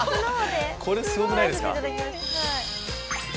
これすごくないですか。